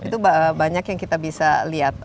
itu banyak yang kita bisa lihat